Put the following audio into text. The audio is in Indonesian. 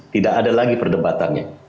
tidak ada lagi perdebatannya